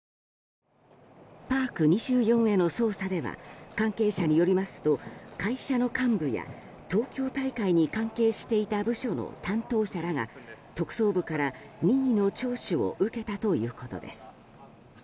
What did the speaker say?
パーク２４への捜査では関係者によりますと会社の幹部や東京大会に関係していた部署の担当者らが、特捜部から任意の聴取を受けたということです。